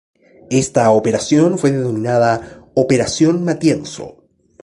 Esta operación fue denominada Operación Matienzo.